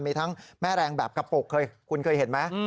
มีทั้งแม่แรงแบบกระปุกคุณเคยเห็นไหม